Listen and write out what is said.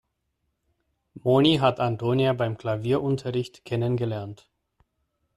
Moni hat Antonia beim Klavierunterricht kennengelernt.